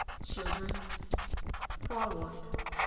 Children." Forward!